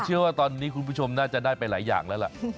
เชื่อว่าตอนนี้คุณผู้ชมน่าจะได้ไปหลายอย่างแล้วล่ะ